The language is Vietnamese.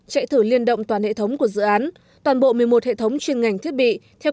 chạy thử liên động toàn hệ thống của dự án toàn bộ một mươi một hệ thống chuyên ngành thiết bị theo